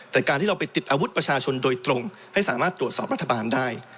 แต่การที่เราไปติดอาวุธประชาชนโดยตรงให้สามารถตรวจสอบรัฐบาลได้